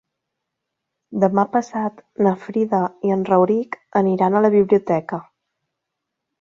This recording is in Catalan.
Demà passat na Frida i en Rauric aniran a la biblioteca.